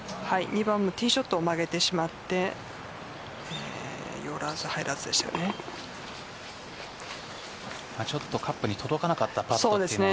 ２番もティーショットを曲げてしまってちょっとカップに届かなかったパットですが。